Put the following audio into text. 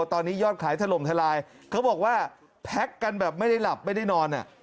ตอนนี้ยอดขายถล่มทลายเขาบอกว่าแพ็คกันแบบไม่ได้หลับไม่ได้นอน